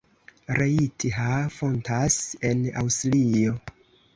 Leitha fontas en Aŭstrio.